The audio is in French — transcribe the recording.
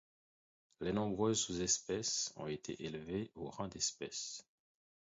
Les nombreuses sous-espèces ont été élevées au rang d'espèce.